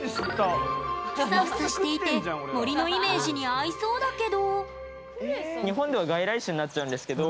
フサフサしていて森のイメージに合いそうだけど。